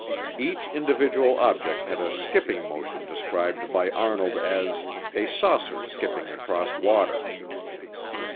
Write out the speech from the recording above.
Each individual object had a skipping motion described by Arnold as a "saucer skipping across water."